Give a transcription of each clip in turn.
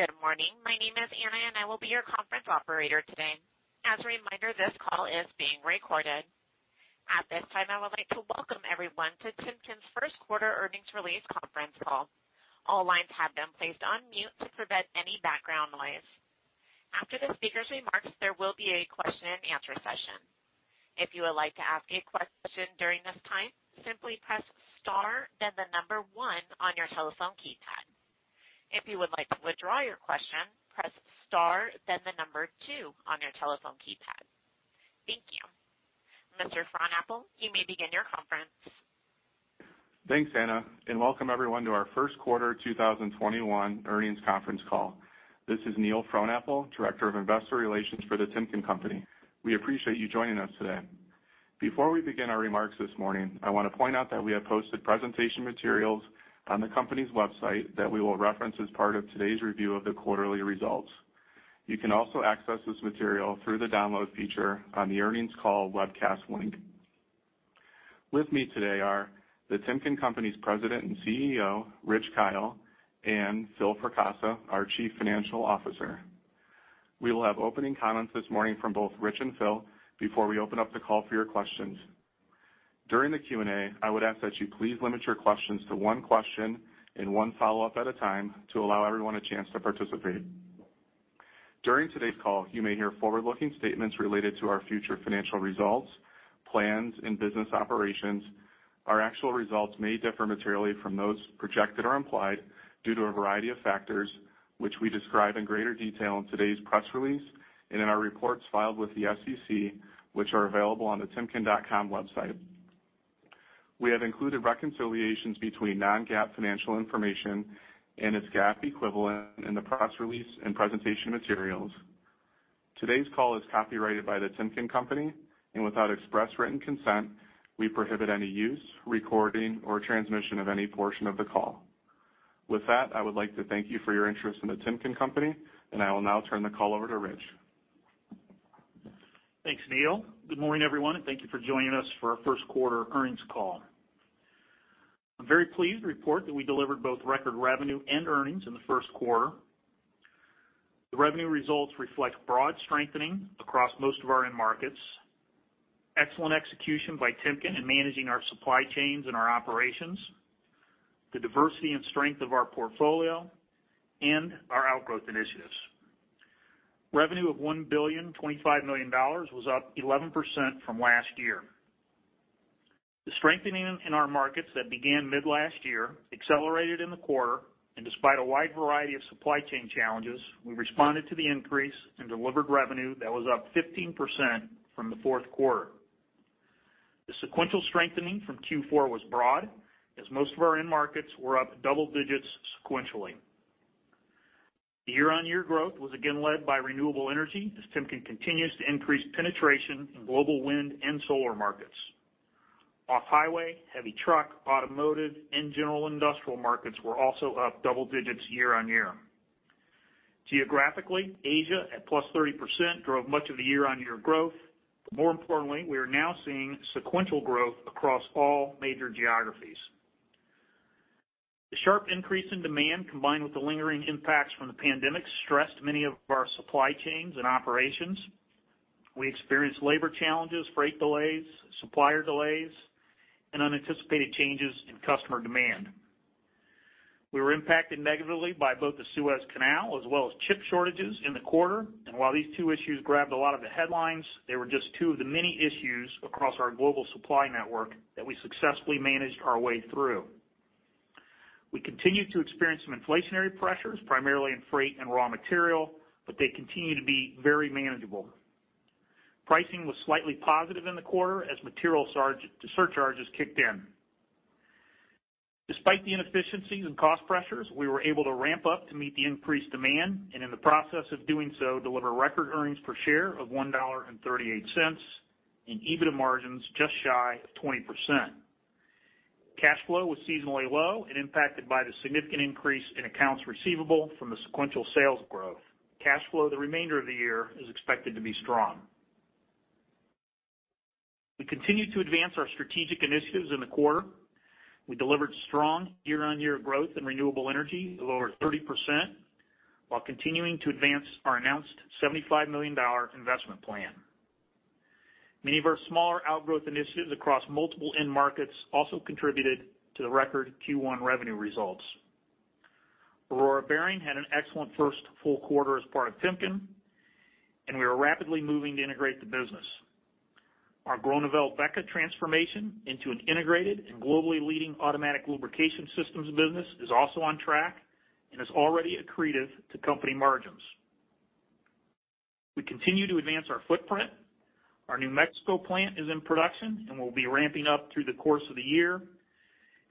Good morning. My name is Anna, and I will be your conference operator today. As a reminder, this call is being recorded. At this time, I would like to welcome everyone to Timken's first quarter earnings release conference call. All lines have been placed on mute to prevent any background noise. After the speaker's remarks, there will be a question-and-answer session. If you would like to ask a question during this time, simply press star then the number one on your telephone keypad. If you would like to withdraw your question, press star then the number two on your telephone keypad. Thank you. Mr. Frohnapple, you may begin your conference. Thanks, Anna, welcome everyone to our first quarter 2021 earnings conference call. This is Neil Frohnapple, Director of Investor Relations for The Timken Company. We appreciate you joining us today. Before we begin our remarks this morning, I want to point out that we have posted presentation materials on the company's website that we will reference as part of today's review of the quarterly results. You can also access this material through the download feature on the earnings call webcast link. With me today are The Timken Company's President and CEO, Rich Kyle, and Phil Fracassa, our Chief Financial Officer. We will have opening comments this morning from both Rich and Phil before we open up the call for your questions. During the Q&A, I would ask that you please limit your questions to one question and one follow-up at a time to allow everyone a chance to participate. During today's call, you may hear forward-looking statements related to our future financial results, plans, and business operations. Our actual results may differ materially from those projected or implied due to a variety of factors, which we describe in greater detail in today's press release and in our reports filed with the SEC, which are available on the timken.com website. We have included reconciliations between non-GAAP financial information and its GAAP equivalent in the press release and presentation materials. Today's call is copyrighted by The Timken Company, and without express written consent, we prohibit any use, recording, or transmission of any portion of the call. With that, I would like to thank you for your interest in The Timken Company, and I will now turn the call over to Rich. Thanks, Neil. Good morning, everyone, and thank you for joining us for our first quarter earnings call. I'm very pleased to report that we delivered both record revenue and earnings in the first quarter. The revenue results reflect broad strengthening across most of our end markets, excellent execution by Timken in managing our supply chains and our operations, the diversity and strength of our portfolio, and our outgrowth initiatives. Revenue of $1,025,000,000 was up 11% from last year. The strengthening in our markets that begin mid last year accelerated in the quarter, and despite a wide variety of supply chain challenges, we responded to the increase and delivered revenue that was up 15% from the fourth quarter. The sequential strengthening from Q4 was broad, as most of our end markets were up double digits sequentially. Year-on-year growth was again led by renewable energy, as Timken continues to increase penetration in global wind and solar markets. Off-highway, heavy truck, automotive, and general industrial markets were also up double digits year-on-year. Geographically, Asia at +30% drove much of the year-on-year growth. More importantly, we are now seeing sequential growth across all major geographies. The sharp increase in demand, combined with the lingering impacts from the pandemic, stressed many of our supply chains and operations. We experienced labor challenges, freight delays, supplier delays, and unanticipated changes in customer demand. We were impacted negatively by both the Suez Canal as well as chip shortages in the quarter. While these two issues grabbed a lot of the headlines, they were just two of the many issues across our global supply network that we successfully managed our way through. We continue to experience some inflationary pressures, primarily in freight and raw material, but they continue to be very manageable. Pricing was slightly positive in the quarter as material surcharges kicked in. Despite the inefficiencies and cost pressures, we were able to ramp up to meet the increased demand, and in the process of doing so, deliver record earnings per share of $1.38 and EBITDA margins just shy of 20%. Cash flow was seasonally low and impacted by the significant increase in accounts receivable from the sequential sales growth. Cash flow for the remainder of the year is expected to be strong. We continue to advance our strategic initiatives in the quarter. We delivered strong year-on-year growth in renewable energy, lower 30%, while continuing to advance our announced $75 million investment plan. Many of our smaller outgrowth initiatives across multiple end markets also contributed to the record Q1 revenue results. Aurora Bearing had an excellent first full quarter as part of Timken, and we are rapidly moving to integrate the business. Our Groeneveld-BEKA transformation into an integrated and globally leading automatic lubrication systems business is also on track and is already accretive to company margins. We continue to advance our footprint. Our New Mexico plant is in production and will be ramping up through the course of the year,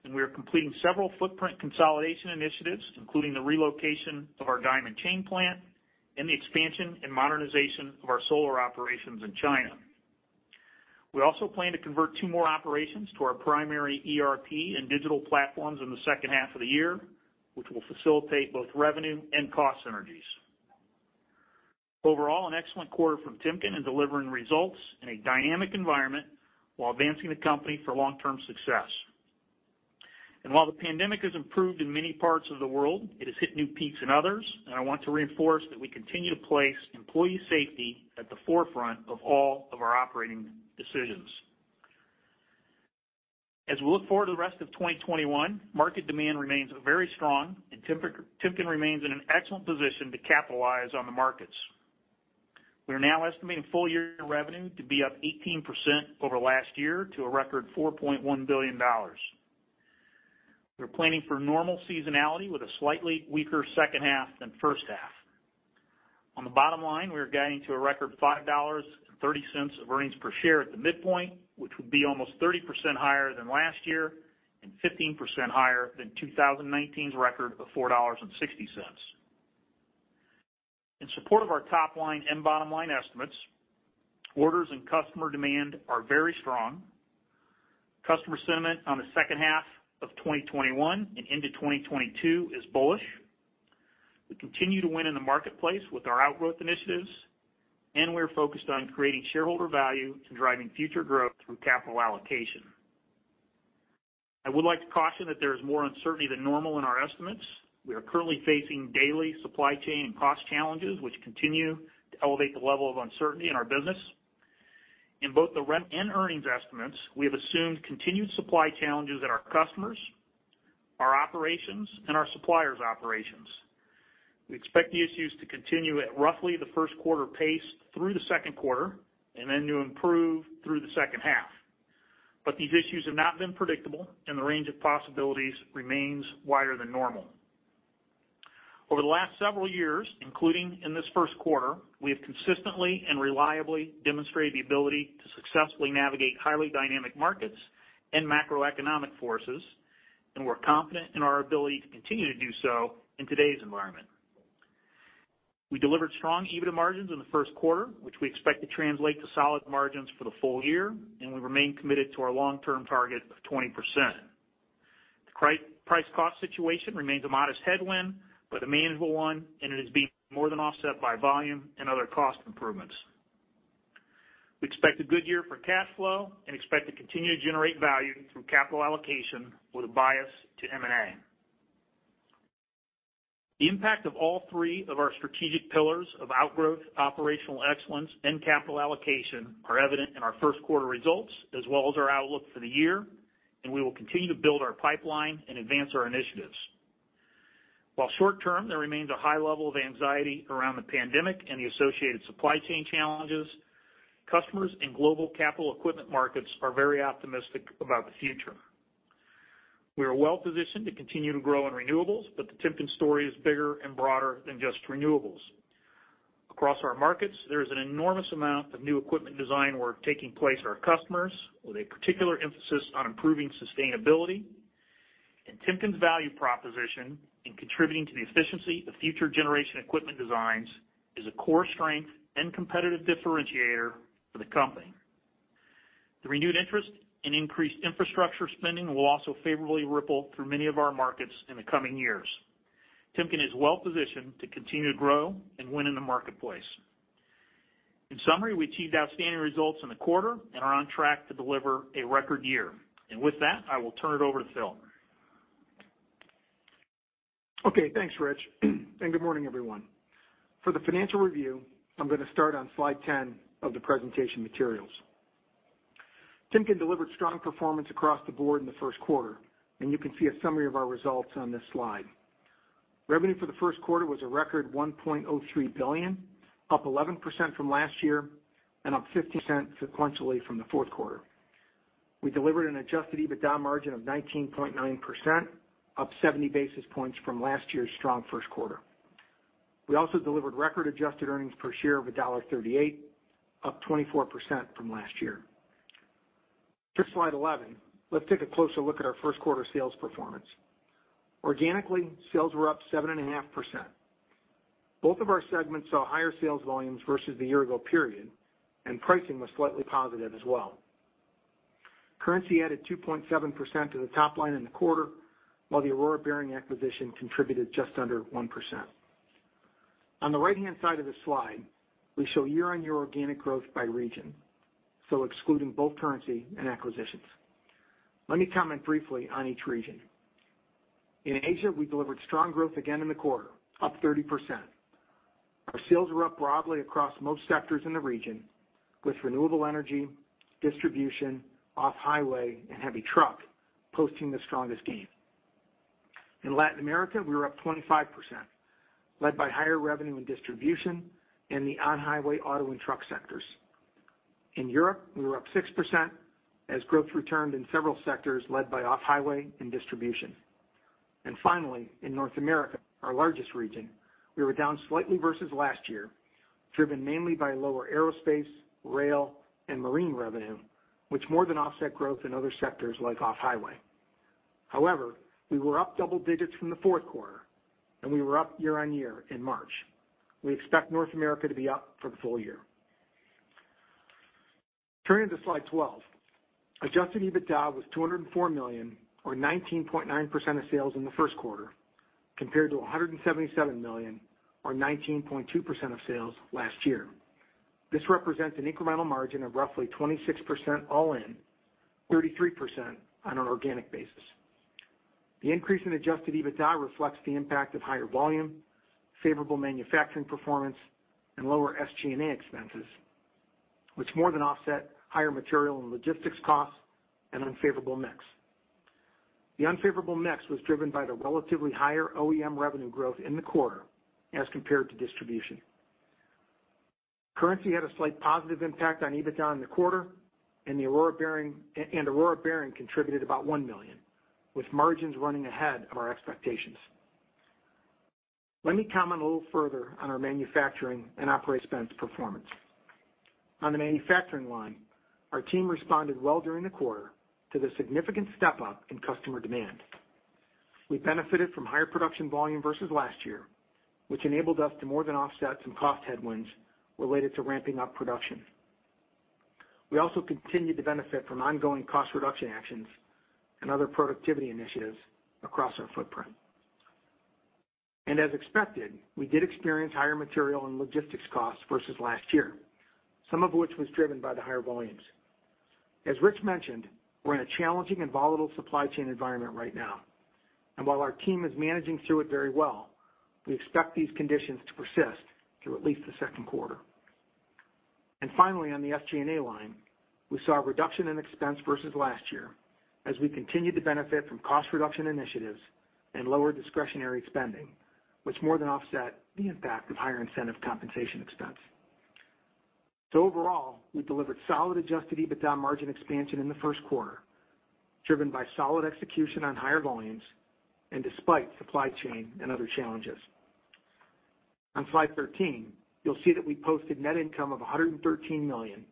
and we are completing several footprint consolidation initiatives, including the relocation of our Diamond Chain plant and the expansion and modernization of our solar operations in China. We also plan to convert two more operations to our primary ERP and digital platforms in the second half of the year, which will facilitate both revenue and cost synergies. Overall, an excellent quarter from Timken in delivering results in a dynamic environment while advancing the company for long-term success. While the pandemic has improved in many parts of the world, it has hit new peaks in others, I want to reinforce that we continue to place employee safety at the forefront of all of our operating decisions. As we look forward to the rest of 2021, market demand remains very strong, and Timken remains in an excellent position to capitalize on the markets. We are now estimating full-year revenue to be up 18% over last year to a record $4.1 billion. We're planning for normal seasonality with a slightly weaker second half than first half. On the bottom line, we are guiding to a record $5.30 of earnings per share at the midpoint, which would be almost 30% higher than last year and 15% higher than 2019's record of $4.60. In support of our top line and bottom-line estimates, orders and customer demand are very strong. Customer sentiment on the second half of 2021 and into 2022 is bullish. We continue to win in the marketplace with our outgrowth initiatives, and we are focused on creating shareholder value to driving future growth through capital allocation. I would like to caution that there is more uncertainty than normal in our estimates. We are currently facing daily supply chain and cost challenges, which continue to elevate the level of uncertainty in our business. In both the rev and earnings estimates, we have assumed continued supply challenges at our customers, our operations, and our suppliers' operations. We expect the issues to continue at roughly the first quarter pace through the second quarter, and then to improve through the second half. These issues have not been predictable, and the range of possibilities remains wider than normal. Over the last several years, including in this first quarter, we have consistently and reliably demonstrated the ability to successfully navigate highly dynamic markets and macroeconomic forces, and we're confident in our ability to continue to do so in today's environment. We delivered strong EBITDA margins in the first quarter, which we expect to translate to solid margins for the full year, and we remain committed to our long-term target of 20%. The price-cost situation remains a modest headwind, but a manageable one, and it is being more than offset by volume and other cost improvements. We expect a good year for cash flow and expect to continue to generate value through capital allocation with a bias to M&A. The impact of all three of our strategic pillars of outgrowth, operational excellence, and capital allocation are evident in our first quarter results, as well as our outlook for the year, and we will continue to build our pipeline and advance our initiatives. While short-term, there remains a high level of anxiety around the pandemic and the associated supply chain challenges, customers and global capital equipment markets are very optimistic about the future. We are well-positioned to continue to grow in renewables. The Timken story is bigger and broader than just renewables. Across our markets, there is an enormous amount of new equipment design work taking place at our customers, with a particular emphasis on improving sustainability. Timken's value proposition in contributing to the efficiency of future generation equipment designs is a core strength and competitive differentiator for the company. The renewed interest in increased infrastructure spending will also favorably ripple through many of our markets in the coming years. Timken is well-positioned to continue to grow and win in the marketplace. In summary, we achieved outstanding results in the quarter and are on track to deliver a record year. With that, I will turn it over to Phil. Okay. Thanks, Rich. Good morning, everyone. For the financial review, I'm gonna start on slide 10 of the presentation materials. Timken delivered strong performance across the board in the first quarter, and you can see a summary of our results on this slide. Revenue for the first quarter was a record $1.03 billion, up 11% from last year and up 15% sequentially from the fourth quarter. We delivered an adjusted EBITDA margin of 19.9%, up 70 basis points from last year's strong first quarter. We also delivered record adjusted earnings per share of $1.38, up 24% from last year. To slide 11, let's take a closer look at our first quarter sales performance. Organically, sales were up 7.5%. Both of our segments saw higher sales volumes versus the year ago period, and pricing was slightly positive as well. Currency added 2.7% to the top line in the quarter, while the Aurora Bearing acquisition contributed just under 1%. On the right-hand side of the slide, we show year-on-year organic growth by region, so excluding both currency and acquisitions. Let me comment briefly on each region. In Asia, we delivered strong growth again in the quarter, up 30%. Our sales were up broadly across most sectors in the region with renewable energy, distribution, off-highway, and heavy truck posting the strongest gains. In Latin America, we were up 25%, led by higher revenue in distribution and the on-highway auto and truck sectors. In Europe, we were up 6% as growth returned in several sectors led by off-highway and distribution. Finally, in North America, our largest region, we were down slightly versus last year, driven mainly by lower aerospace, rail, and marine revenue, which more than offset growth in other sectors like off-highway. However, we were up double digits from the fourth quarter, and we were up year-on-year in March. We expect North America to be up for the full year. Turning to slide 12. Adjusted EBITDA was $204 million or 19.9% of sales in the first quarter, compared to $177 million or 19.2% of sales last year. This represents an incremental margin of roughly 26% all in, 33% on an organic basis. The increase in adjusted EBITDA reflects the impact of higher volume, favorable manufacturing performance, and lower SG&A expenses, which more than offset higher material and logistics costs and unfavorable mix. The unfavorable mix was driven by the relatively higher OEM revenue growth in the quarter as compared to distribution. Currency had a slight positive impact on EBITDA in the quarter, and Aurora Bearing contributed about $1 million, with margins running ahead of our expectations. Let me comment a little further on our manufacturing and operating expense performance. On the manufacturing line, our team responded well during the quarter to the significant step-up in customer demand. We benefited from higher production volume versus last year, which enabled us to more than offset some cost headwinds related to ramping up production. We also continued to benefit from ongoing cost reduction actions and other productivity initiatives across our footprint. As expected, we did experience higher material and logistics costs versus last year, some of which was driven by the higher volumes. As Rich mentioned, we're in a challenging and volatile supply chain environment right now, and while our team is managing through it very well, we expect these conditions to persist through at least the second quarter. Finally, on the SG&A line, we saw a reduction in expense versus last year as we continued to benefit from cost reduction initiatives and lower discretionary spending, which more than offset the impact of higher incentive compensation expense. Overall, we delivered solid adjusted EBITDA margin expansion in the first quarter, driven by solid execution on higher volumes and despite supply chain and other challenges. On slide 13, you'll see that we posted net income of $113 million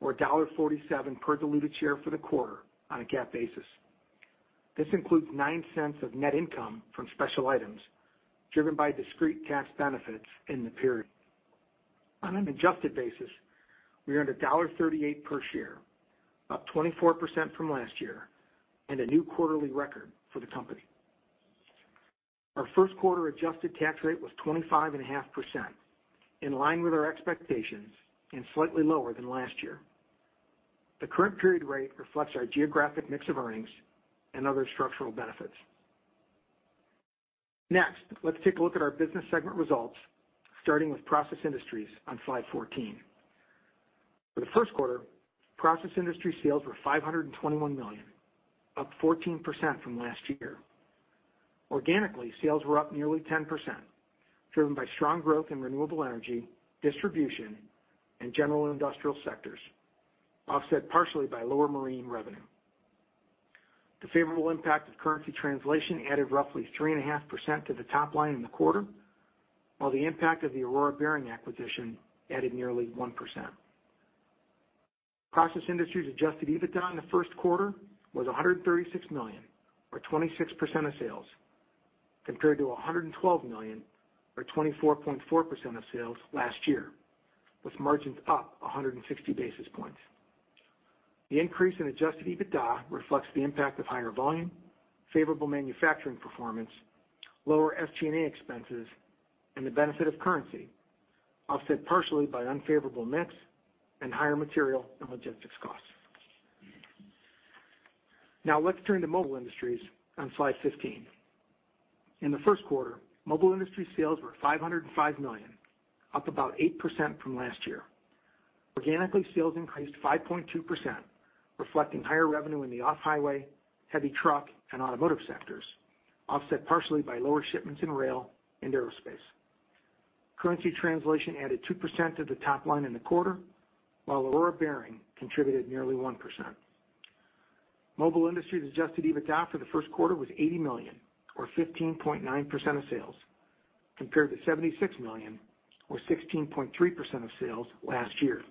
or $1.47 per diluted share for the quarter on a GAAP basis. This includes $0.09 of net income from special items driven by discrete tax benefits in the period. On an adjusted basis, we earned $1.38 per share, up 24% from last year and a new quarterly record for the company. Our first quarter adjusted tax rate was 25.5%, in line with our expectations and slightly lower than last year. The current period rate reflects our geographic mix of earnings and other structural benefits. Next, let's take a look at our business segment results, starting with Process Industries on slide 14. For the first quarter, Process Industries sales were $521 million, up 14% from last year. Organically, sales were up nearly 10%, driven by strong growth in renewable energy, distribution, and general industrial sectors, offset partially by lower marine revenue. The favorable impact of currency translation added roughly 3.5% to the top line in the quarter, while the impact of the Aurora Bearing acquisition added nearly 1%. Process Industries adjusted EBITDA in the first quarter was $136 million or 26% of sales, compared to $112 million or 24.4% of sales last year, with margins up 160 basis points. The increase in adjusted EBITDA reflects the impact of higher volume, favorable manufacturing performance, lower SG&A expenses, and the benefit of currency, offset partially by unfavorable mix and higher material and logistics costs. Let's turn to Mobile Industries on slide 15. In the first quarter, Mobile Industries sales were $505 million, up about 8% from last year. Organically, sales increased 5.2%, reflecting higher revenue in the off-highway, heavy truck, and automotive sectors, offset partially by lower shipments in rail and aerospace. Currency translation added 2% to the top line in the quarter, while Aurora Bearing contributed nearly 1%. Mobile Industries adjusted EBITDA for the first quarter was $80 million or 15.9% of sales, compared to $76 million or 16.3% of sales last year.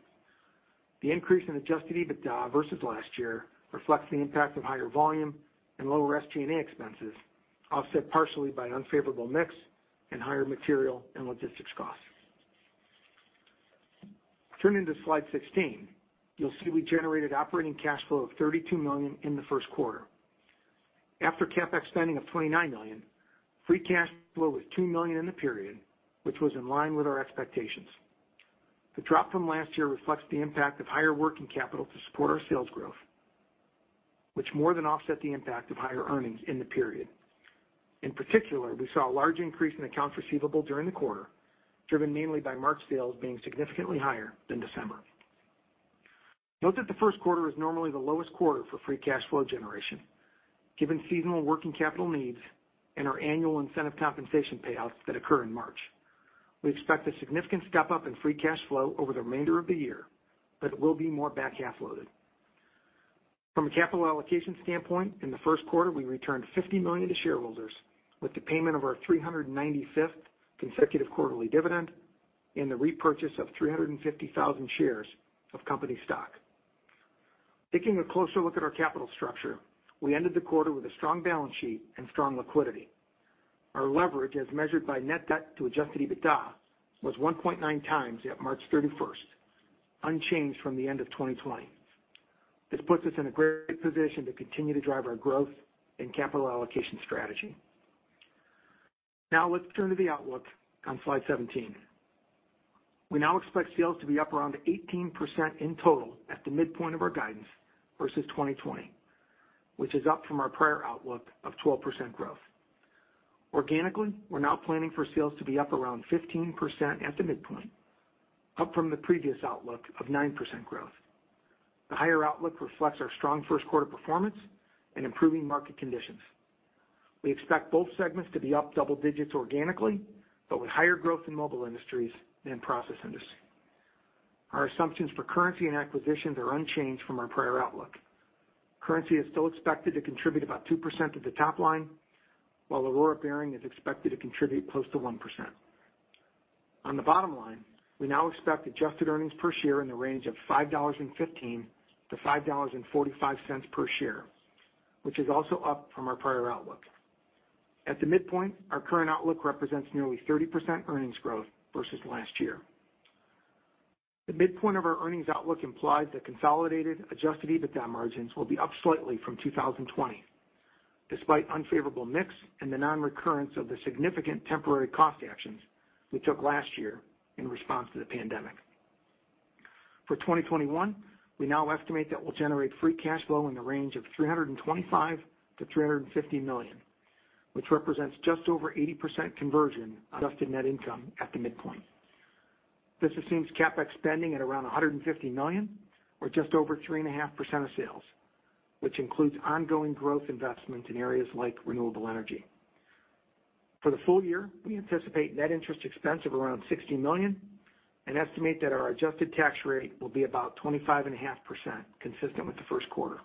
The increase in adjusted EBITDA versus last year reflects the impact of higher volume and lower SG&A expenses, offset partially by unfavorable mix and higher material and logistics costs. Turning to slide 16, you'll see we generated operating cash flow of $32 million in the first quarter. After CapEx spending of $29 million, free cash flow was $2 million in the period, which was in line with our expectations. The drop from last year reflects the impact of higher working capital to support our sales growth, which more than offset the impact of higher earnings in the period. In particular, we saw a large increase in accounts receivable during the quarter, driven mainly by March sales being significantly higher than December. Note that the first quarter is normally the lowest quarter for free cash flow generation, given seasonal working capital needs and our annual incentive compensation payouts that occur in March. We expect a significant step-up in free cash flow over the remainder of the year, it will be more back-half loaded. From a capital allocation standpoint, in the first quarter, we returned $50 million to shareholders with the payment of our 395th consecutive quarterly dividend and the repurchase of 350,000 shares of company stock. Taking a closer look at our capital structure, we ended the quarter with a strong balance sheet and strong liquidity. Our leverage as measured by net debt to adjusted EBITDA was 1.9x at March 31st, unchanged from the end of 2020. This puts us in a great position to continue to drive our growth and capital allocation strategy. Now let's turn to the outlook on slide 17. We now expect sales to be up around 18% in total at the midpoint of our guidance versus 2020, which is up from our prior outlook of 12% growth. Organically, we're now planning for sales to be up around 15% at the midpoint, up from the previous outlook of 9% growth. The higher outlook reflects our strong first quarter performance and improving market conditions. We expect both segments to be up double digits organically, but with higher growth in Mobile Industries than Process Industries. Our assumptions for currency and acquisitions are unchanged from our prior outlook. Currency is still expected to contribute about 2% of the top line, while Aurora Bearing is expected to contribute close to 1%. On the bottom line, we now expect adjusted earnings per share in the range of $5.15-$5.45 per share, which is also up from our prior outlook. At the midpoint, our current outlook represents nearly 30% earnings growth versus last year. The midpoint of our earnings outlook implies that consolidated adjusted EBITDA margins will be up slightly from 2020, despite unfavorable mix and the non-recurrence of the significant temporary cost actions we took last year in response to the pandemic. For 2021, we now estimate that we'll generate free cash flow in the range of $325 million-$350 million, which represents just over 80% conversion adjusted net income at the midpoint. This assumes CapEx spending at around $150 million or just over 3.5% of sales, which includes ongoing growth investments in areas like renewable energy. For the full year, we anticipate net interest expense of around $60 million and estimate that our adjusted tax rate will be about 25.5%, consistent with the first quarter.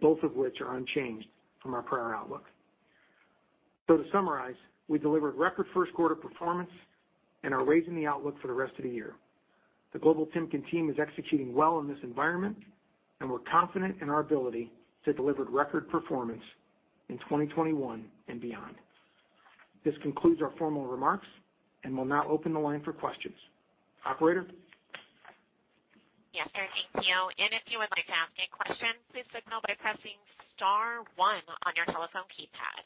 Both of which are unchanged from our prior outlook. To summarize, we delivered record first quarter performance and are raising the outlook for the rest of the year. The global Timken team is executing well in this environment, and we're confident in our ability to deliver record performance in 2021 and beyond. This concludes our formal remarks. We'll now open the line for questions. Operator? Yes, sir. Thank you. If you would like to ask a question, please signal by pressing star one on your telephone keypad.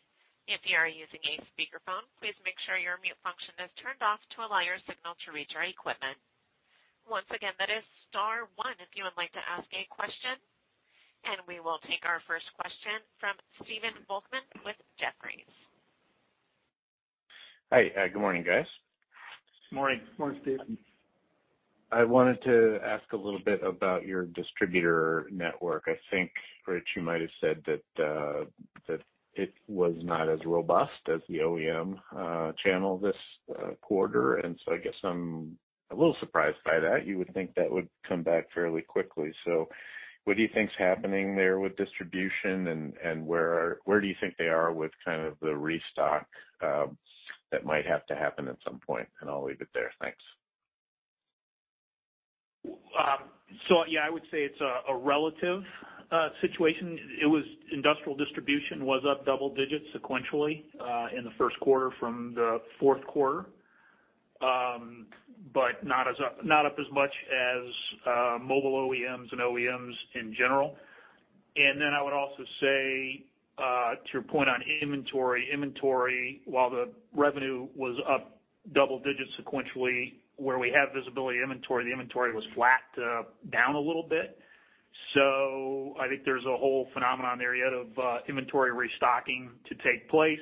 If you are using a speakerphone, please make sure your mute function is turned off to allow your signal to reach our equipment. Once again, that is star one if you would like to ask a question. We will take our first question from Stephen Volkmann with Jefferies. Hi. Good morning, guys. Good morning. Good morning, Stephen. I wanted to ask a little bit about your distributor network. I think, Rich, you might have said that it was not as robust as the OEM channel this quarter, and so I guess I'm a little surprised by that. You would think that would come back fairly quickly. What do you think is happening there with distribution, and where do you think they are with kind of the restock that might have to happen at some point? I'll leave it there. Thanks. Yeah, I would say it's a relative situation. Industrial distribution was up double digits sequentially in the first quarter from the fourth quarter. Not up as much as Mobile OEMs and OEMs in general. I would also say, to your point on inventory. Inventory, while the revenue was up double digits sequentially, where we have visibility inventory, the inventory was flat, down a little bit. I think there's a whole phenomenon there yet of inventory restocking to take place,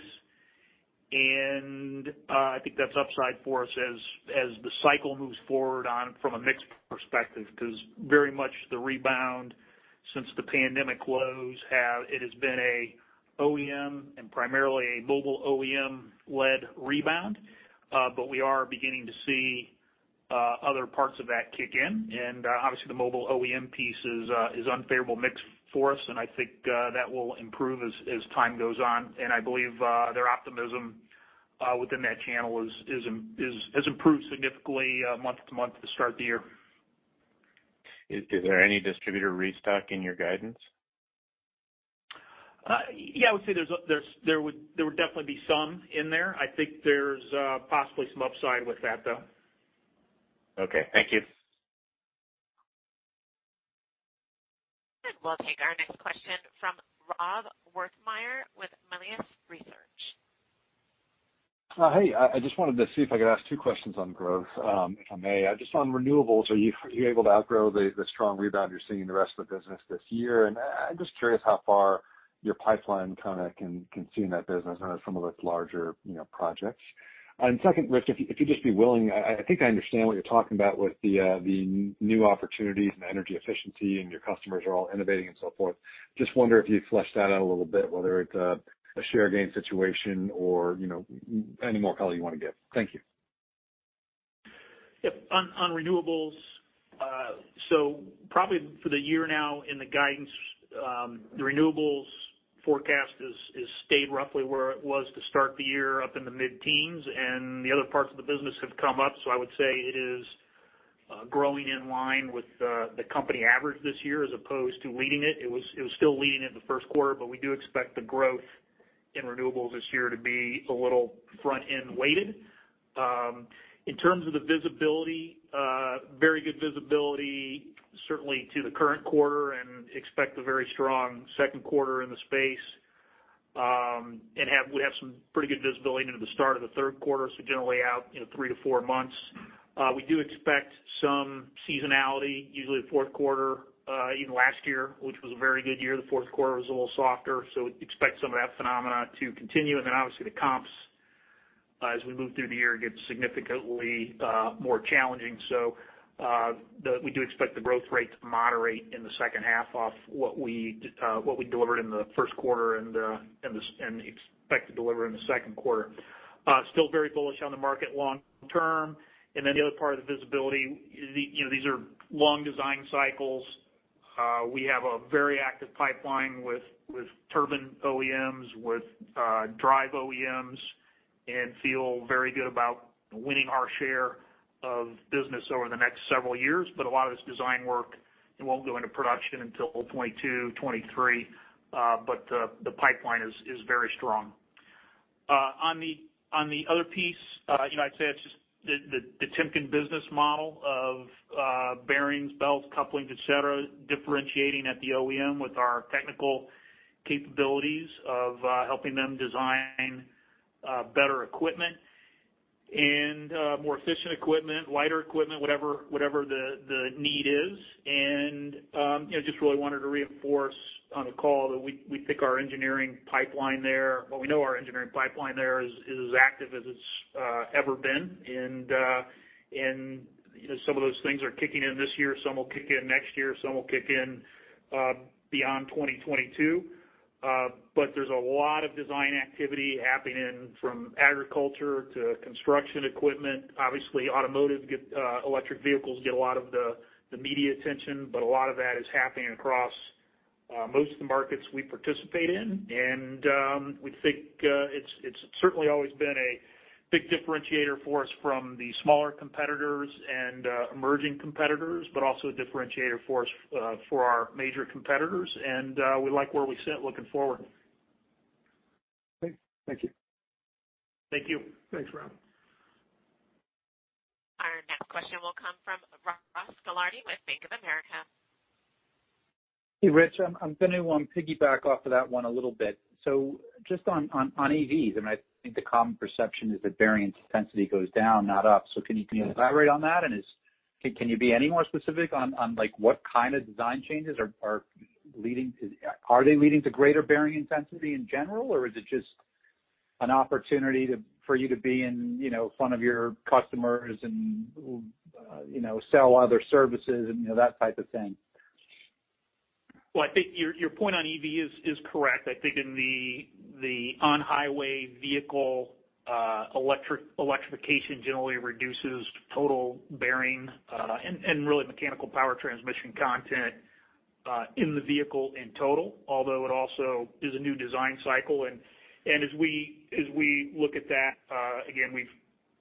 and I think that's upside for us as the cycle moves forward on from a mix perspective, because very much the rebound since the pandemic lows have, it has been an OEM and primarily a Mobile OEM-led rebound. We are beginning to see other parts of that kick in. Obviously, the Mobile OEM piece is unfavorable mix for us, and I think that will improve as time goes on. I believe their optimism within that channel has improved significantly month-to-month to start the year. Is there any distributor restock in your guidance? Yeah, I would say there would definitely be some in there. I think there's possibly some upside with that, though. Okay. Thank you. We'll take our next question from Rob Wertheimer with Melius Research. Hey, I just wanted to see if I could ask two questions on growth, if I may. Just on renewables, are you able to outgrow the strong rebound you're seeing in the rest of the business this year? I'm just curious how far your pipeline kind of can see in that business, some of those larger projects. Second, Rich, if you'd just be willing, I think I understand what you're talking about with the new opportunities and energy efficiency and your customers are all innovating and so forth. Just wonder if you'd flesh that out a little bit, whether it's a share gain situation or any more color you want to give. Thank you. Yep. On renewables, so probably for the year now in the guidance, the renewables forecast has stayed roughly where it was to start the year, up in the mid-teens, and the other parts of the business have come up. I would say it is growing in line with the company average this year as opposed to leading it. It was still leading it in the first quarter, but we do expect the growth in renewables this year to be a little front-end weighted. In terms of the visibility, very good visibility certainly to the current quarter and expect a very strong second quarter in the space. We have some pretty good visibility into the start of the third quarter, so generally out three to four months. We do expect some seasonality, usually the fourth quarter, even last year, which was a very good year. The fourth quarter was a little softer. Expect some of that phenomena to continue. Obviously the comps as we move through the year get significantly more challenging. We do expect the growth rate to moderate in the second half off what we delivered in the first quarter and expect to deliver in the second quarter. Still very bullish on the market long term. The other part of the visibility, these are long design cycles. We have a very active pipeline with turbine OEMs, with drive OEMs and feel very good about winning our share of business over the next several years. A lot of this design work won't go into production until 2022, 2023. The pipeline is very strong. On the other piece, I'd say that's just the Timken business model of bearings, belts, couplings, et cetera, differentiating at the OEM with our technical capabilities of helping them design better equipment and more efficient equipment, lighter equipment, whatever the need is. Just really wanted to reinforce on the call that we know our engineering pipeline there is as active as it's ever been. Some of those things are kicking in this year, some will kick in next year, some will kick in beyond 2022. There's a lot of design activity happening from agriculture to construction equipment. Obviously, automotive, electric vehicles get a lot of the media attention, but a lot of that is happening across most of the markets we participate in. We think it's certainly always been a big differentiator for us from the smaller competitors and emerging competitors, but also a differentiator for our major competitors. We like where we sit looking forward. Great. Thank you. Thank you. Thanks, Rob. Our next question will come from Ross Gilardi with Bank of America. Hey, Rich. I'm going to piggyback off of that one a little bit. Just on EVs, I think the common perception is that bearing intensity goes down, not up. Can you elaborate on that? Can you be any more specific on what kind of design changes are leading to greater bearing intensity in general, or is it just an opportunity for you to be in front of your customers and sell other services and that type of thing? Well, I think your point on EV is correct. I think in the on-highway vehicle, electrification generally reduces total bearing, and really mechanical power transmission content in the vehicle in total, although it also is a new design cycle. As we look at that, again,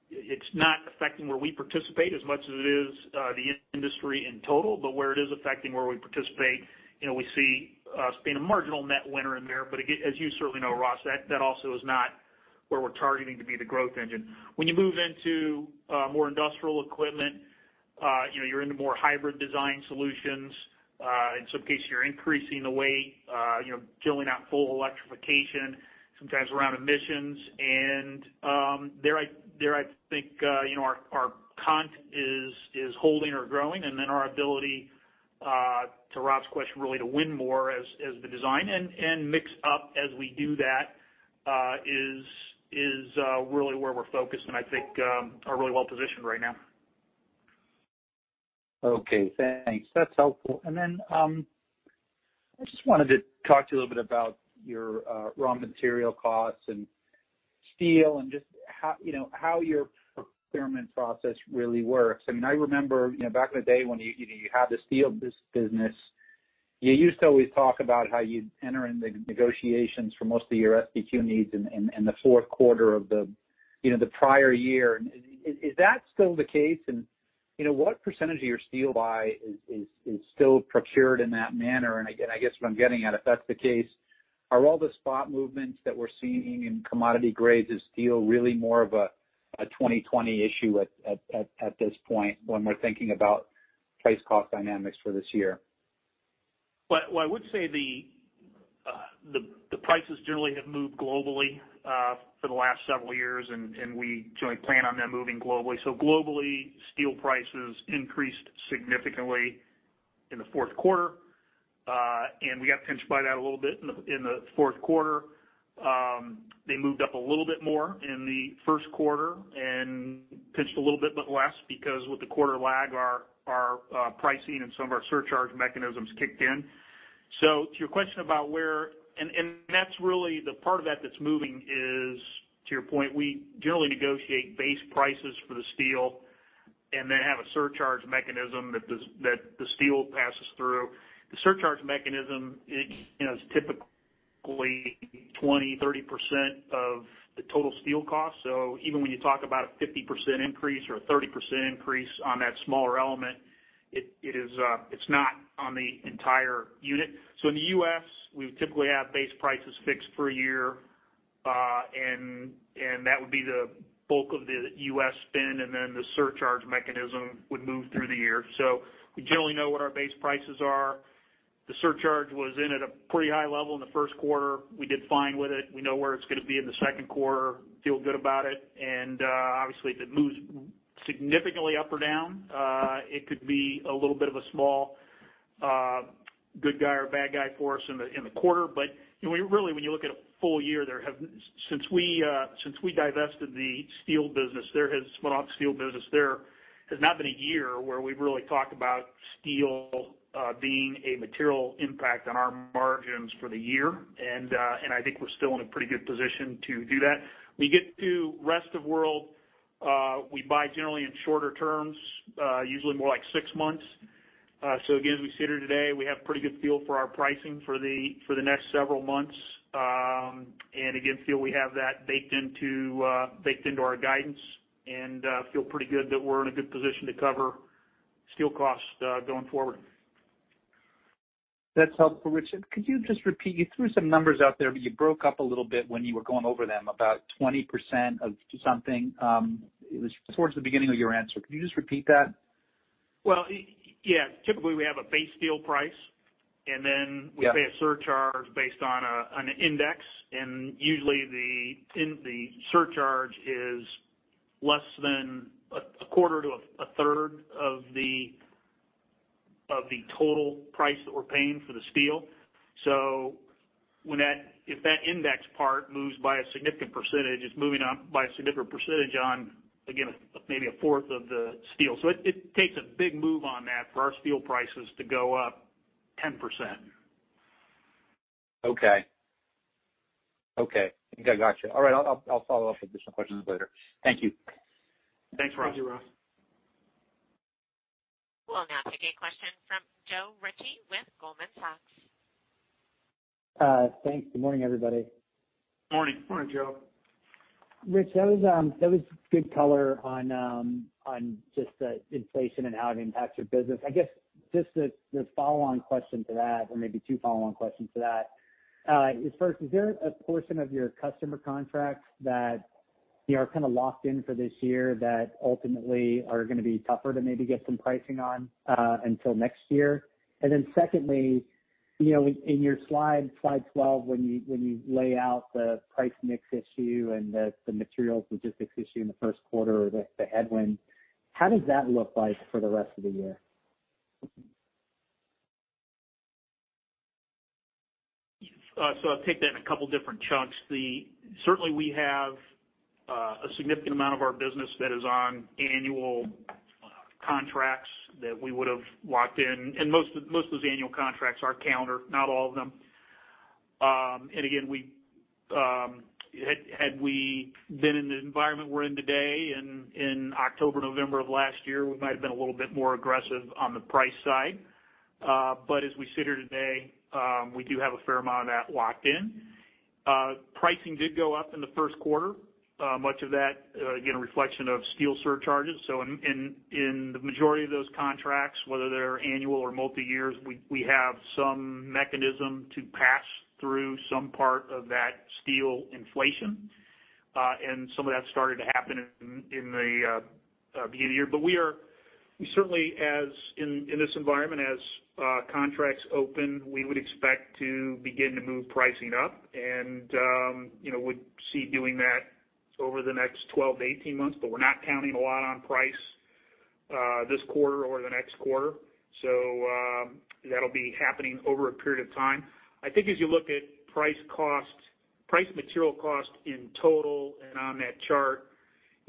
it's not affecting where we participate as much as it is the industry in total. Where it is affecting where we participate, we see us being a marginal net winner in there. As you certainly know, Ross, that also is not where we're targeting to be the growth engine. When you move into more industrial equipment, you're into more hybrid design solutions. In some cases, you're increasing the weight filling out full electrification, sometimes around emissions. There I think our content is holding or growing. Our ability, to Rob's question, really to win more as the design and mix up as we do that, is really where we're focused and I think are really well positioned right now. Okay, thanks. That's helpful. I just wanted to talk to you a little bit about your raw material costs and steel and just how your procurement process really works. I mean, I remember back in the day when you had the steel business, you used to always talk about how you'd enter into negotiations for most of your SBQ needs in the fourth quarter of the prior year. Is that still the case? What percentage of your steel buy is still procured in that manner? Again, I guess what I'm getting at, if that's the case, are all the spot movements that we're seeing in commodity grades of steel really more of a 2020 issue at this point when we're thinking about price cost dynamics for this year? Well, I would say the prices generally have moved globally for the last several years, and we generally plan on them moving globally. Globally, steel prices increased significantly in the fourth quarter. We got pinched by that a little bit in the fourth quarter. They moved up a little bit more in the first quarter and pinched a little bit less because with the quarter lag, our pricing and some of our surcharge mechanisms kicked in. To your question about that's really the part of that that's moving is, to your point, we generally negotiate base prices for the steel and then have a surcharge mechanism that the steel passes through. The surcharge mechanism is typically 20%, 30% of the total steel cost. Even when you talk about a 50% increase or a 30% increase on that smaller element, it's not on the entire unit. In the U.S., we typically have base prices fixed for a year, and that would be the bulk of the U.S. spend, and then the surcharge mechanism would move through the year. We generally know what our base prices are. The surcharge was in at a pretty high level in the first quarter. We did fine with it. We know where it's going to be in the second quarter, feel good about it, and obviously, if it moves significantly up or down, it could be a little bit of a small good guy or bad guy for us in the quarter. Really, when you look at a full year, since we divested the spin-off steel business, there has not been a year where we've really talked about steel being a material impact on our margins for the year. I think we're still in a pretty good position to do that. When you get to the rest of the world, we buy generally in shorter terms, usually more like six months. Again, as we sit here today, we have a pretty good feel for our pricing for the next several months. Again, feel we have that baked into our guidance and feel pretty good that we're in a good position to cover steel costs going forward. That's helpful, Richard. Could you just repeat? You threw some numbers out there, but you broke up a little bit when you were going over them, about 20% of something. It was towards the beginning of your answer. Could you just repeat that? Well, yeah. Typically, we have a base steel price, and then. Yeah We pay a surcharge based on an index. Usually, the surcharge is less than a quarter to a third of the total price that we're paying for the steel. If that index part moves by a significant percentage, it's moving up by a significant percentage on, again, maybe a fourth of the steel. It takes a big move on that for our steel prices to go up 10%. Okay. I got you. All right. I'll follow up with additional questions later. Thank you. Thanks, Ross. Thank you, Ross. We'll now take a question from Joe Ritchie with Goldman Sachs. Thanks. Good morning, everybody. Morning. Morning, Joe. Rich, that was good color on just the inflation and how it impacts your business. I guess just the follow-on question to that, or maybe two follow-on questions to that is first, is there a portion of your customer contracts that are kind of locked in for this year that ultimately are going to be tougher to maybe get some pricing on until next year? Secondly, in your slide 12, when you lay out the price mix issue and the materials logistics issue in the first quarter or the headwind, how does that look like for the rest of the year? I'll take that in a couple of different chunks. Certainly, we have a significant amount of our business that is on annual contracts that we would've locked in, and most of those annual contracts are calendar, not all of them. Again, had we been in the environment we're in today in October, November of last year, we might've been a little bit more aggressive on the price side. As we sit here today, we do have a fair amount of that locked in. Pricing did go up in the first quarter, much of that, again, a reflection of steel surcharges. In the majority of those contracts, whether they're annual or multi-years, we have some mechanism to pass through some part of that steel inflation. Some of that started to happen in the beginning of the year. We are certainly, in this environment, as contracts open, we would expect to begin to move pricing up and would see doing that over the next 12-18 months, but we're not counting a lot on price this quarter or the next quarter. That'll be happening over a period of time. I think as you look at price material cost in total and on that chart,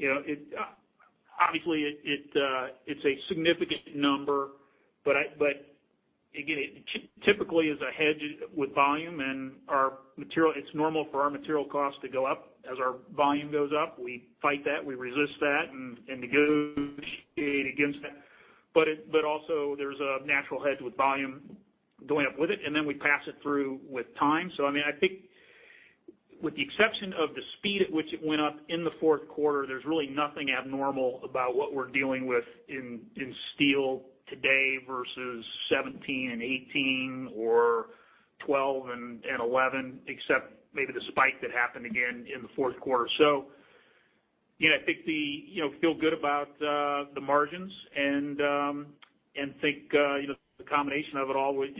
obviously it's a significant number, but again, it typically is a hedge with volume, and it's normal for our material costs to go up as our volume goes up. We fight that, we resist that, and negotiate against that. Also, there's a natural hedge with volume going up with it, and then we pass it through with time. I think with the exception of the speed at which it went up in the fourth quarter, there's really nothing abnormal about what we're dealing with in steel today versus 2017 and 2018 or 2012 and 2011, except maybe the spike that happened again in the fourth quarter. I feel good about the margins and think the combination of it all is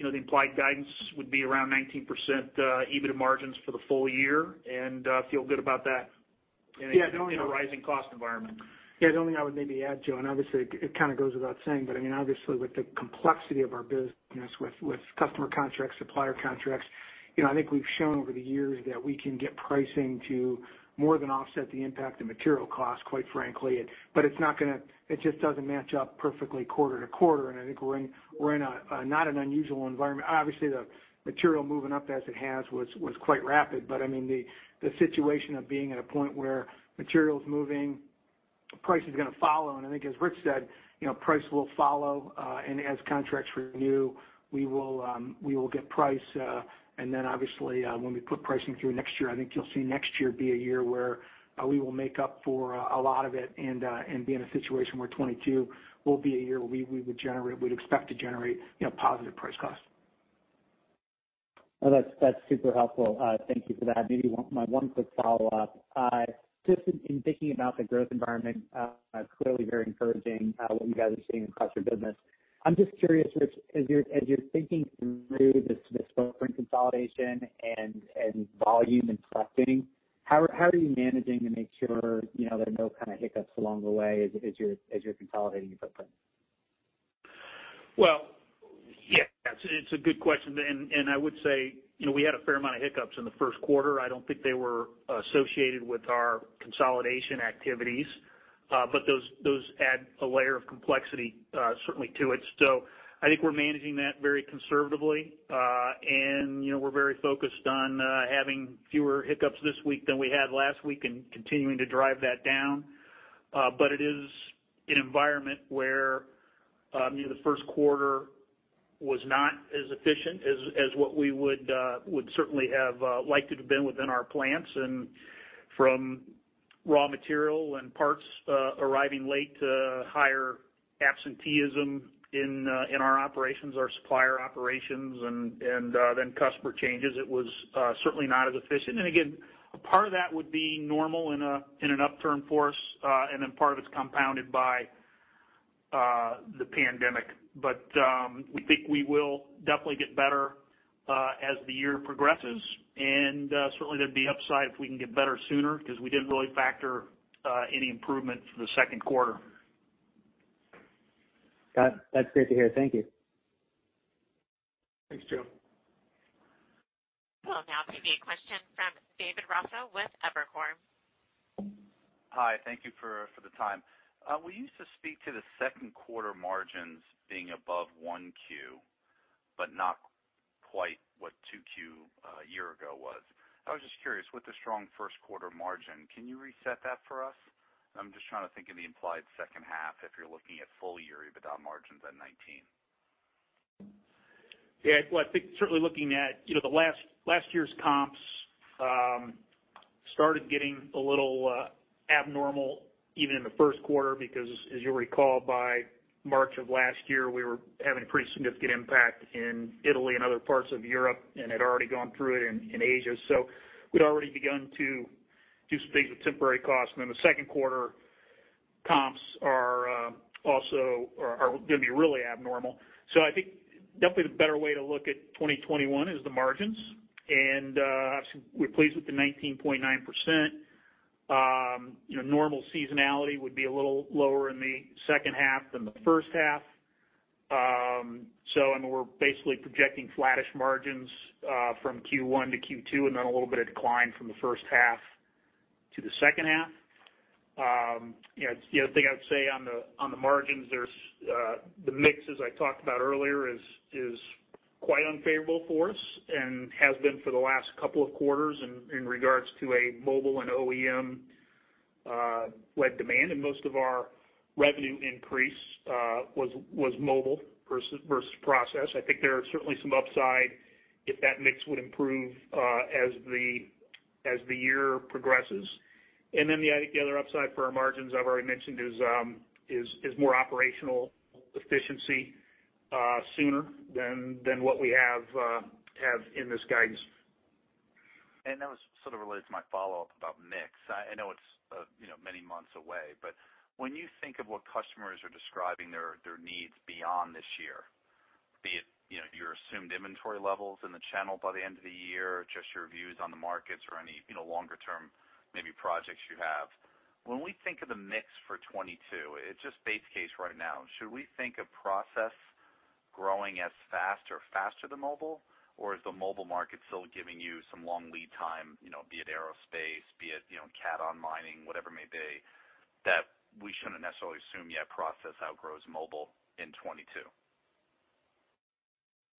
the implied guidance would be around 19% EBITDA margins for the full year, and I feel good about that in a rising cost environment. Yeah. The only thing I would maybe add, Joe, and obviously it kind of goes without saying, but obviously with the complexity of our business with customer contracts, supplier contracts, I think we've shown over the years that we can get pricing to more than offset the impact of material costs, quite frankly. It just doesn't match up perfectly quarter to quarter, and I think we're in not an unusual environment. Obviously, the material moving up as it has was quite rapid, but the situation of being at a point where material's moving Price is going to follow, and I think as Rich said, price will follow. As contracts renew, we will get the price. Obviously, when we put pricing through next year, I think you'll see next year be a year where we will make up for a lot of it and be in a situation where 2022 will be a year where we would expect to generate positive price cost. That's super helpful. Thank you for that. Maybe my one quick follow-up. Just in thinking about the growth environment, clearly very encouraging what you guys are seeing across your business. I'm just curious, Rich, as you're thinking through this footprint consolidation and volume and pricing, how are you managing to make sure there are no kind of hiccups along the way as you're consolidating your footprint? Well, yes, it's a good question. I would say we had a fair amount of hiccups in the first quarter. I don't think they were associated with our consolidation activities. Those add a layer of complexity certainly to it. I think we're managing that very conservatively. We're very focused on having fewer hiccups this week than we had last week and continuing to drive that down. It is an environment where the first quarter was not as efficient as what we would certainly have liked it to have been within our plants. From raw material and parts arriving late to higher absenteeism in our operations, our supplier operations, and then customer changes, it was certainly not as efficient. Again, a part of that would be normal in an upturn for us, and then part of it's compounded by the pandemic. We think we will definitely get better as the year progresses. Certainly, there'd be upside if we can get better sooner because we didn't really factor any improvement for the second quarter. Got it. That's great to hear. Thank you. Thanks, Joe. We'll now take a question from David Raso with Evercore. Hi. Thank you for the time. Well, you used to speak to the second quarter margins being above 1Q, but not quite what 2Q a year ago was. I was just curious, with the strong first quarter margin, can you reset that for us? I'm just trying to think of the implied second half if you're looking at full-year EBITDA margins at 19%. Yeah. Well, I think certainly looking at last year's comps started getting a little abnormal even in the first quarter because, as you'll recall, by March of last year, we were having a pretty significant impact in Italy and other parts of Europe and had already gone through it in Asia. We'd already begun to do some things with temporary costs. Then the second quarter comps are going to be really abnormal. I think definitely the better way to look at 2021 is the margins. Obviously, we're pleased with the 19.9%. Normal seasonality would be a little lower in the second half than the first half. We're basically projecting flattish margins from Q1 to Q2, and then a little bit of decline from the first half to the second half. The other thing I'd say on the margins, the mix, as I talked about earlier, is quite unfavorable for us and has been for the last couple of quarters in regard to a mobile and OEM-led demand. Most of our revenue increase was Mobile versus Process. I think there is certainly some upside if that mix would improve as the year progresses. The other upside for our margins I've already mentioned is more operational efficiency sooner than what we have in this guidance. That was sort of related to my follow-up about mix. I know it's many months away, but when you think of what customers are describing their needs beyond this year, be it your assumed inventory levels in the channel by the end of the year, just your views on the markets or any longer-term maybe projects you have. When we think of the mix for 2022, it's just base case right now. Should we think of Process growing as fast or faster than Mobile? Is the Mobile market still giving you some long lead time, be it aerospace, be it Caterpillar on mining, whatever it may be, that we shouldn't necessarily assume yet Process outgrows Mobile in 2022?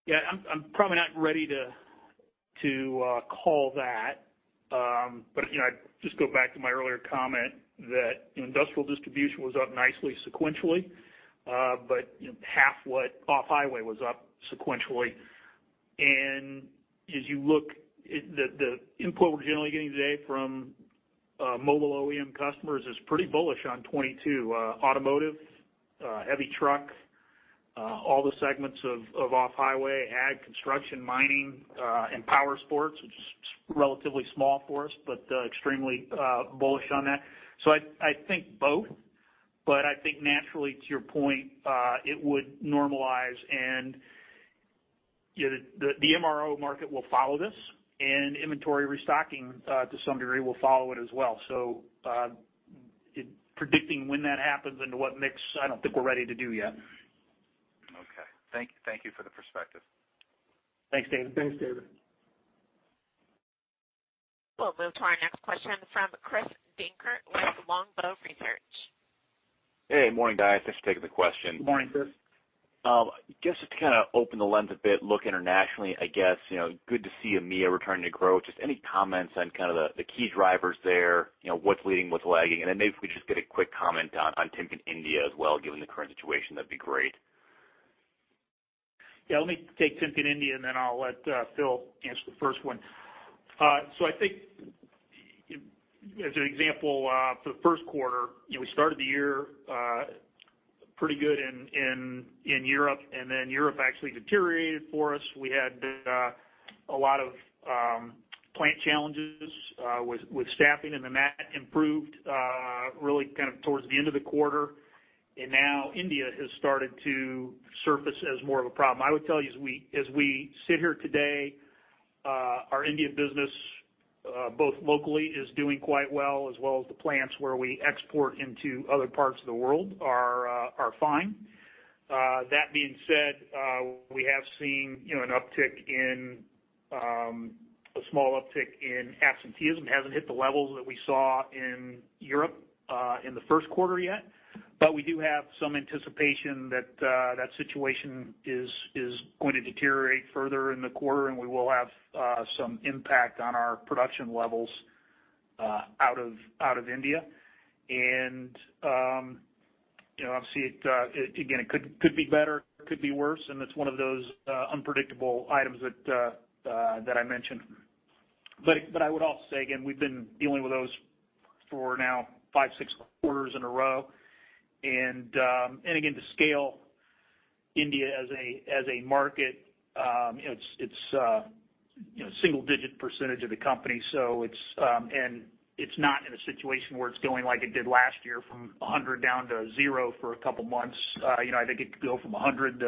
Yeah. I'm probably not ready to call that. I'd just go back to my earlier comment that industrial distribution was up nicely sequentially. Half what off-highway was up sequentially. As you look, the input we're generally getting today from Mobile OEM customers is pretty bullish on 2022. Automotive, heavy truck, all the segments of off-highway, ag, construction, mining, and power sports, which is relatively small for us, but extremely bullish on that. I think both. I think naturally to your point, it would normalize and the MRO market will follow this, and inventory restocking to some degree will follow it as well. Predicting when that happens into what mix, I don't think we're ready to do yet. Okay. Thank you for the perspective. Thanks, David. Thanks, David. We'll move to our next question from Chris Dankert with Longbow Research. Hey, morning, guys. Thanks for taking the question. Morning, Chris. Just to kind of open the lens a bit, look internationally, I guess, good to see EMEA returning to growth. Just any comments on kind of the key drivers there, what's leading, what's lagging? Maybe if we just get a quick comment on Timken India as well, given the current situation, that'd be great. Yeah. Let me take Timken India, and then I'll let Phil answer the first one. I think as an example, for the first quarter, we started the year pretty good in Europe, and then Europe actually deteriorated for us. We had a lot of plant challenges with staffing, and that improved really kind of towards the end of the quarter. Now India has started to surface as more of a problem. I would tell you, as we sit here today, our India business both locally is doing quite well as well as the plants where we export into other parts of the world are fine. That being said, we have seen a small uptick in absenteeism. It hasn't hit the levels that we saw in Europe in the first quarter yet, but we do have some anticipation that that situation is going to deteriorate further in the quarter, and we will have some impact on our production levels out of India. Obviously, again, it could be better, it could be worse, and it's one of those unpredictable items that I mentioned. I would also say, again, we've been dealing with those for now five, six quarters in a row. Again, to scale India as a market, it's a single-digit percentage of the company. It's not in a situation where it's going like it did last year from 100 down to zero for a couple of months. I think it could go from 100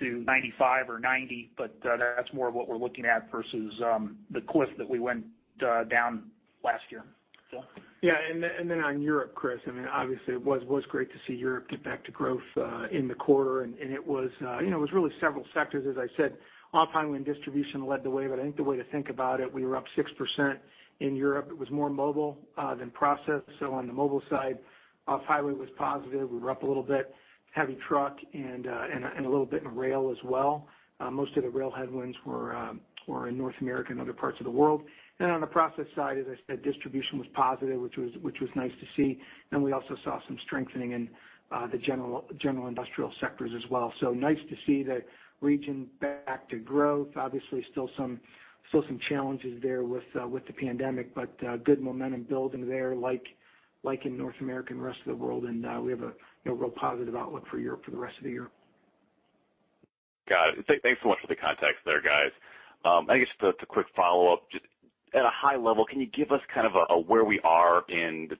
to 95 or 90, but that's more of what we're looking at versus the cliff that we went down last year. Phil? Yeah. On Europe, Chris, obviously, it was great to see Europe get back to growth in the quarter. It was really several sectors. As I said, off-highway and distribution led the way. I think the way to think about it, we were up 6% in Europe. It was more Mobile than Process. On the Mobile side, off-highway was positive. We were up a little bit, a heavy truck and a little bit in rail as well. Most of the rail headwinds were in North America and other parts of the world. On the Process side, as I said, distribution was positive, which was nice to see. We also saw some strengthening in the general industrial sectors as well. Nice to see the region back to growth. Obviously, still some challenges there with the pandemic. Good momentum building there like in North America and the rest of the world. We have a real positive outlook for Europe for the rest of the year. Got it. Thanks so much for the context there, guys. I guess just a quick follow-up. Just at a high level, can you give us kind of a where we are. You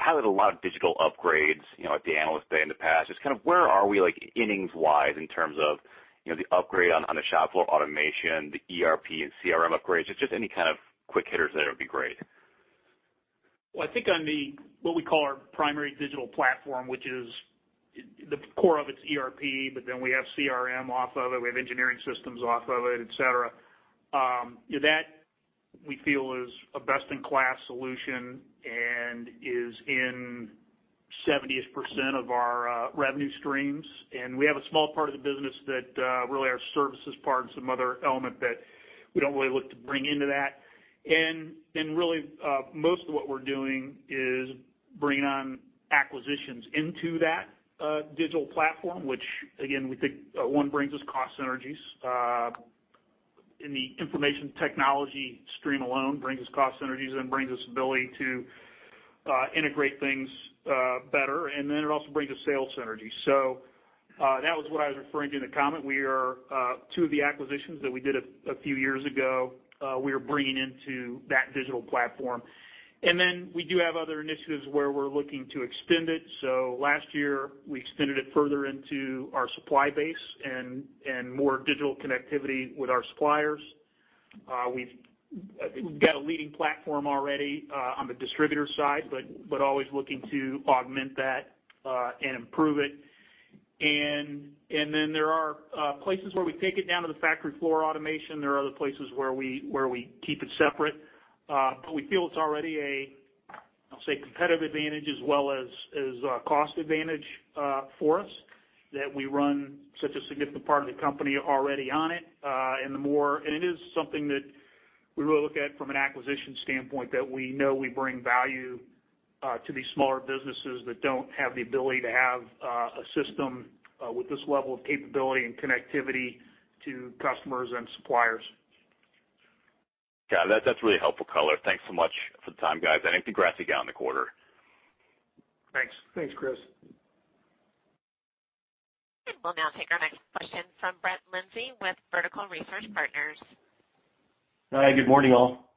highlighted a lot of digital upgrades at the Analyst Day in the past. Just kind of where are we, like innings-wise, in terms of the upgrade on the shop floor automation, the ERP and CRM upgrades? Just any kind of quick hitters there would be great. I think on the what we call our primary digital platform, which is the core of its ERP, but then we have CRM off of it, we have engineering systems off of it, et cetera. That we feel is a best-in-class solution and is in 70% of our revenue streams. We have a small part of the business that really our services part and some other element that we don't really look to bring into that. Really, most of what we're doing is bringing on acquisitions into that digital platform, which again, we think, one, brings us cost synergies. The information technology stream alone brings us cost synergies and brings us ability to integrate things better, and then it also brings us sales synergy. That was what I was referring to in the comment. Two of the acquisitions that we did a few years ago we are bringing into that digital platform. Then we do have other initiatives where we're looking to extend it. Last year we extended it further into our supply base and more digital connectivity with our suppliers. We've got a leading platform already on the distributor side but always looking to augment that and improve it. Then there are places where we take it down to the factory floor automation. There are other places where we keep it separate. We feel it's already a, I'll say, competitive advantage as well as a cost advantage for us that we run such a significant part of the company already on it. It is something that we really look at from an acquisition standpoint that we know we bring value to these smaller businesses that don't have the ability to have a system with this level of capability and connectivity to customers and suppliers. Got it. That's really helpful color. Thanks so much for the time, guys. I think the guidance for the quarter. Thanks. Thanks, Chris. We'll now take our next question from Brett Linzey with Vertical Research Partners. Hi, good morning, all.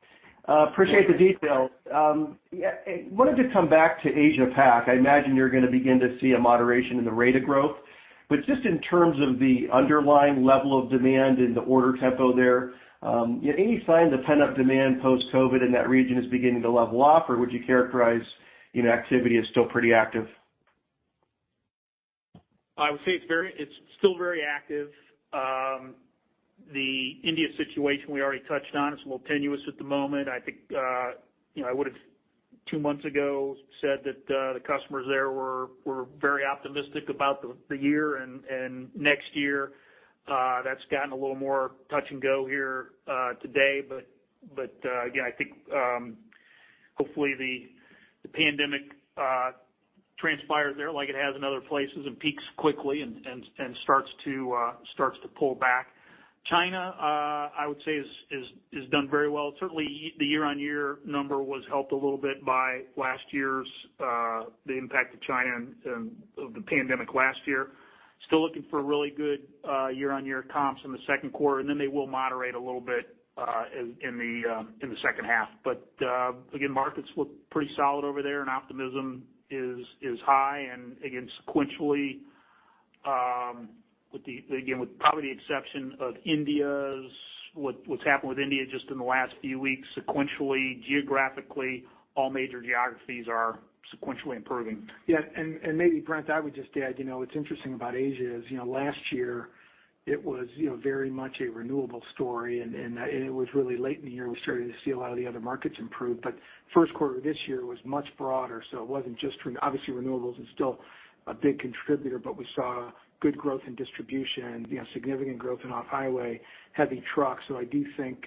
Appreciate the details. Wanted to come back to Asia Pac. I imagine you're going to begin to see a moderation in the rate of growth. Just in terms of the underlying level of demand and the order tempo there, any signs of pent-up demand post-COVID in that region is beginning to level off, or would you characterize activity as still pretty active? I would say it's still very active. The India situation we already touched on is a little tenuous at the moment. I think I would've two months ago said that the customers there were very optimistic about the year and next year. That's gotten a little more touch and go here today. Again, I think, hopefully, the pandemic transpires there like it has in other places and peaks quickly and starts to pull back. China, I would say has done very well. Certainly, the year-on-year number was helped a little bit by last year's, the impact of China and of the pandemic last year. Still looking for a really good year-on-year comps in the second quarter, and then they will moderate a little bit in the second half. Again, markets look pretty solid over there and optimism is high. Again, sequentially, with probably the exception of what's happened with India just in the last few weeks, sequentially, geographically, all major geographies are sequentially improving. Yeah. Maybe, Brett, I would just add, what's interesting about Asia is, last year it was very much a renewable story, and it was really late in the year we started to see a lot of the other markets improve. First quarter this year was much broader, so it wasn't just, obviously, renewables is still a big contributor, but we saw good growth in distribution, significant growth in off-highway, heavy trucks. I do think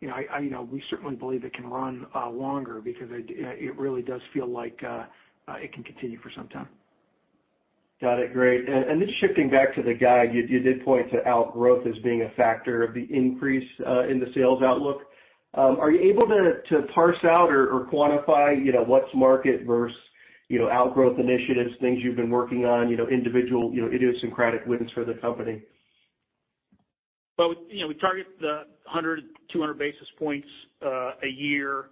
we certainly believe it can run longer because it really does feel like it can continue for some time. Got it. Great. Just shifting back to the guide, you did point to outgrowth as being a factor of the increase in the sales outlook. Are you able to parse out or quantify what's market versus outgrowth initiatives, things you've been working on, individual idiosyncratic wins for the company? We target the 100, 200 basis points a year,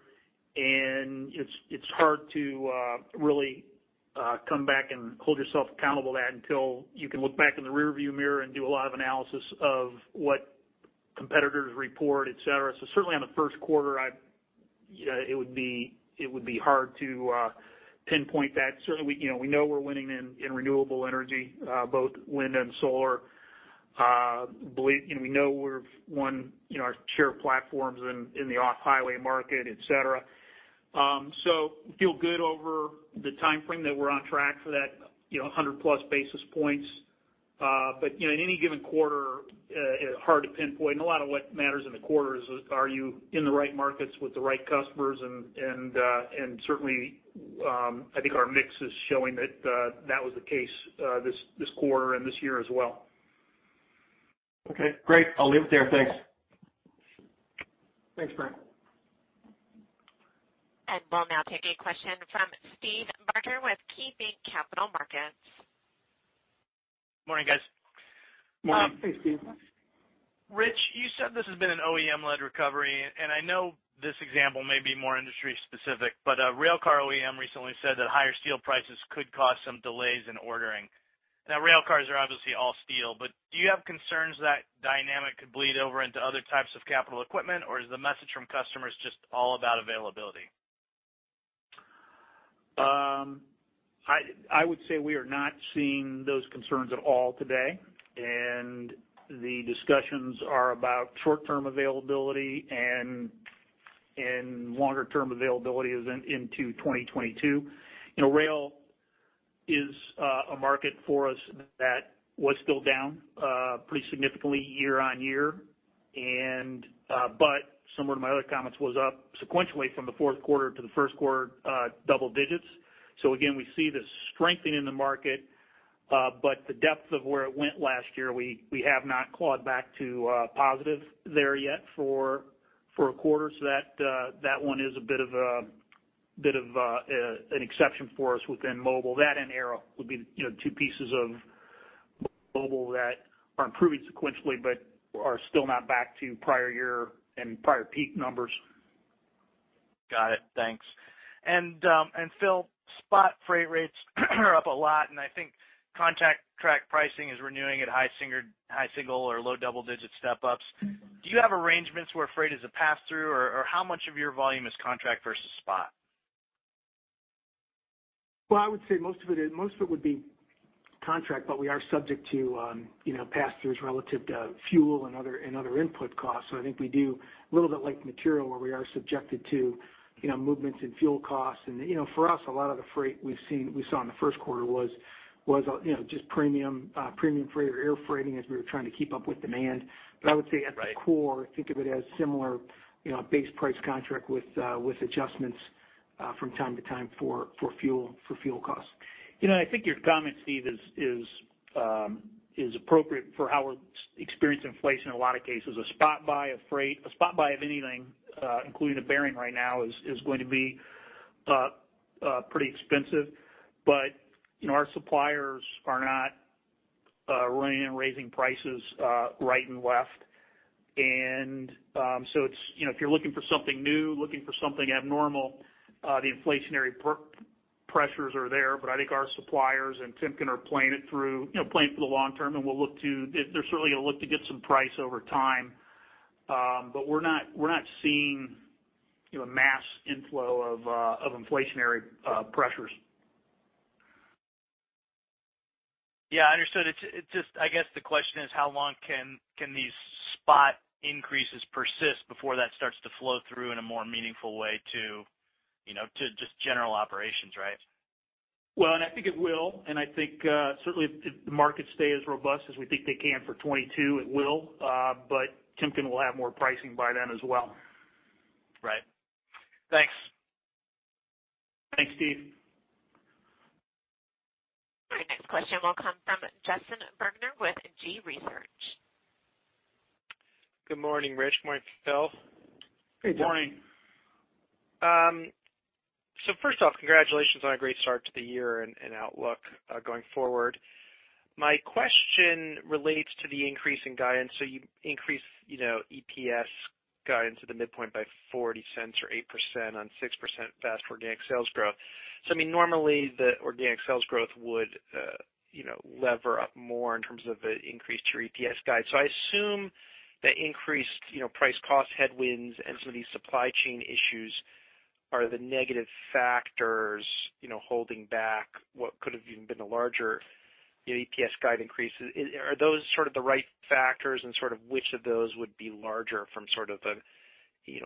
and it's hard to really come back and hold yourself accountable to that until you can look back in the rearview mirror and do a lot of analysis of what competitors report, et cetera. Certainly, on the first quarter, it would be hard to pinpoint that. Certainly, we know we're winning in renewable energy, both wind and solar. We know we've won our share of platforms in the off-highway market, et cetera. We feel good over the timeframe that we're on track for that 100+ basis points. In any given quarter, hard to pinpoint. A lot of what matters in the quarter are you in the right markets with the right customers, and certainly, I think our mix is showing that that was the case this quarter and this year as well. Okay, great. I'll leave it there. Thanks. Thanks, Brett. We'll now take a question from Steve Barger with KeyBanc Capital Markets. Morning, guys. Morning. Hey, Steve. Rich, you said this has been an OEM-led recovery. I know this example may be more industry specific. A railcar OEM recently said that higher steel prices could cause some delays in ordering. Now, railcars are obviously all steel. Do you have concerns that dynamic could bleed over into other types of capital equipment, or is the message from customers just all about availability? I would say we are not seeing those concerns at all today, and the discussions are about short-term availability and longer-term availability into 2022. Rail is a market for us that was still down pretty significantly year-on-year, but similar to my other comments, was up sequentially from the fourth quarter to the first quarter, double digits. Again, we see the strengthening the market, but the depth of where it went last year, we have not clawed back to positive there yet for a quarter. That one is a bit of an exception for us within Mobile Industries. That and aero would be the two pieces of Mobile Industries that are improving sequentially but are still not back to prior year and prior peak numbers. Got it. Thanks. Phil, spot freight rates are up a lot, and I think contract pricing is renewing at high single or low double-digit step-ups. Do you have arrangements where freight is a pass-through, or how much of your volume is contract versus spot? Well, I would say most of it would be contract. We are subject to pass-throughs relative to fuel and other input costs. I think we do a little bit like material, where we are subjected to movements in fuel costs. For us, a lot of the freight we saw in the first quarter was just premium freight or air freight as we were trying to keep up with demand. Right. I would say at the core, think of it a similar base price contract with adjustments from time to time for fuel costs. I think your comment, Steve, is appropriate for how we're experiencing inflation in a lot of cases. A spot buy of anything, including a bearing right now, is going to be pretty expensive. Our suppliers are not running and raising prices right and left. If you're looking for something new, looking for something abnormal, the inflationary pressures are there. I think our suppliers and Timken are playing it through, playing for the long term, and they're certainly going to look to get some price over time. We're not seeing a mass inflow of inflationary pressures. Yeah, understood. I guess the question is how long can these spot increases persist before that starts to flow through in a more meaningful way to just general operations, right? I think it will. I think certainly if the markets stay as robust as we think they can for 2022, it will. Timken will have more pricing by then as well. Right. Thanks. Thanks, Steve. Our next question will come from Justin Bergner with G.research. Good morning, Rich. Morning, Phil. Good morning. First off, congratulations on a great start to the year and outlook going forward. My question relates to the increase in guidance. You increased EPS guidance at the midpoint by $0.40 or 8% on 6% faster organic sales growth. I mean, normally the organic sales growth would lever up more in terms of the increase to your EPS guide. I assume the increased price cost headwinds and some of these supply chain issues are the negative factors holding back what could've even been a larger EPS guide increase. Are those sorts of the right factors and sort of which of those would be larger from sort of the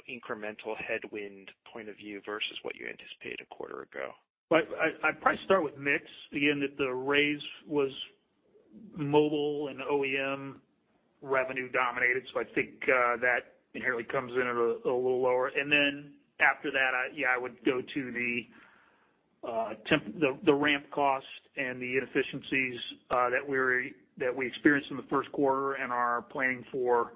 incremental headwind point of view versus what you anticipated a quarter ago? I'd probably start with mix. Again, the raise was Mobile and OEM revenue dominated, so I think that inherently comes in at a little lower. Then after that, yeah, I would go to the ramp cost and the inefficiencies that we experienced in the first quarter and are planning for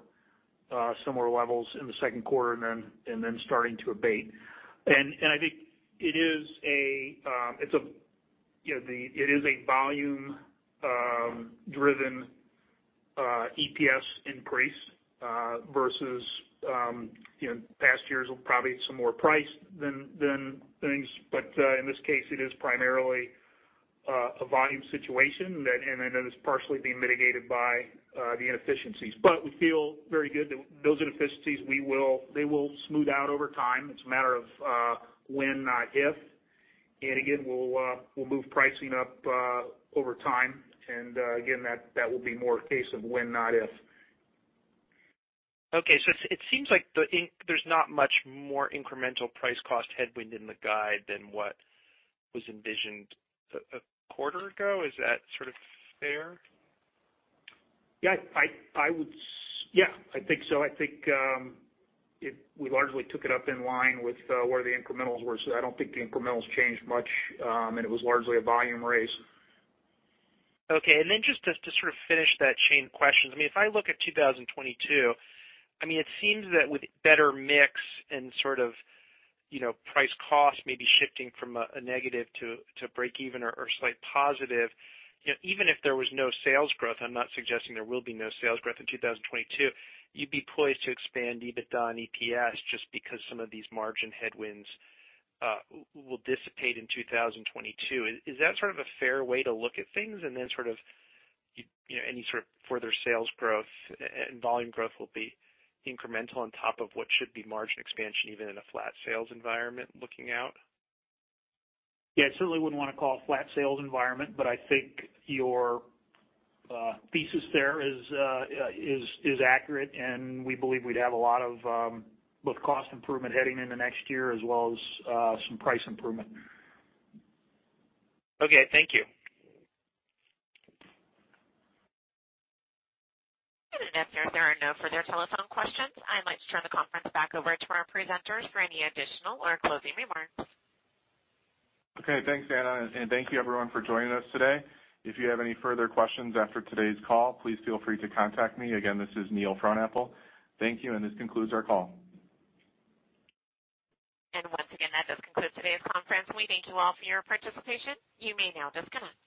similar levels in the second quarter and then starting to abate. I think it is a volume-driven EPS increase versus past years were probably some more price than things. In this case, it is primarily a volume situation, and then it is partially being mitigated by the inefficiencies. We feel very good that those inefficiencies, they will smooth out over time. It's a matter of when, not if. Again, we'll move pricing up over time. Again, that will be more a case of when, not if. Okay, it seems like there's not much more incremental price cost headwind in the guide than what was envisioned a quarter ago. Is that sort of fair? Yeah, I think so. I think we largely took it up in line with where the incremental were. I don't think the incremental changed much, and it was largely a volume raise. Just to sort of finish that chain of questions. I mean, if I look at 2022, it seems that with better mix and sort of price cost may be shifting from a negative to break even or slight positive. Even if there was no sales growth, I'm not suggesting there will be no sales growth in 2022, you'd be poised to expand EBITDA and EPS just because some of these margin headwinds will dissipate in 2022. Is that sort of a fair way to look at things, and then any sort of further sales growth and volume growth will be incremental on top of what should be margin expansion, even in a flat sales environment looking out? I certainly wouldn't want to call a flat sales environment, but I think your thesis there is accurate, and we believe we'd have a lot of both cost improvement heading into next year as well as some price improvement. Okay. Thank you. If there are no further telephone questions, I'd like to turn the conference back over to our presenters for any additional or closing remarks. Okay, thanks, Anna. Thank you everyone for joining us today. If you have any further questions after today's call, please feel free to contact me. Again, this is Neil Frohnapple. Thank you. This concludes our call. Once again, that does conclude today's conference. We thank you all for your participation. You may now disconnect.